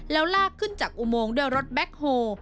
แล้วลากขึ้นจากอุโมงด้วยรถแบ็คโฮ